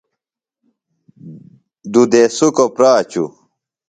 دُوۡ دیسُکوۡ پراچوۡ۔